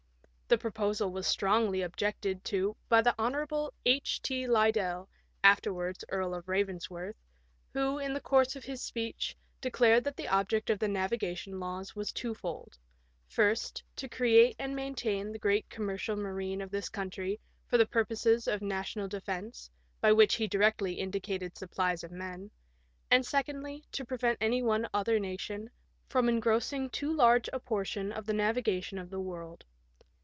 The proposal was strongly ob jected to by the Hon. H. T. Liddell (afterwards Earl of Bavensworth), who, in the course of his speech, declared that the object of the navigation laws was twofold — first, to create and maintain the great commercial marine of this country for the purposes of national defence, by which he directly indicated supplies of men ; and, secondly, to prevent any one other nation from engrossing too large a portion of the navigation of the world.